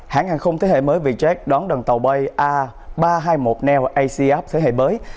hãng hàng không thế hệ mới vietjet đón đoàn tàu bay a ba trăm hai mươi một neo acf thế hệ mới